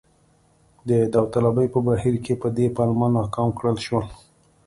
د داوطلبۍ په بهیر کې په دې پلمه ناکام کړل شو.